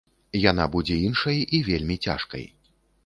Яна будзе іншай, і вельмі цяжкай.